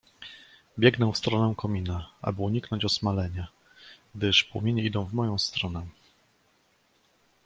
"Biegnę w stronę komina, aby uniknąć osmalenia, gdyż płomienie idą w moją stronę."